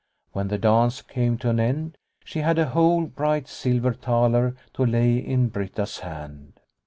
When the dance came to an end she had a whole bright silver thaler to lay in Britta's hand.